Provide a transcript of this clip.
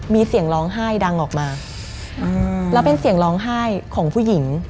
มีเสียงร้องไห้ดังออกมาแล้วเป็นเสียงร้องไห้ของผู้หญิง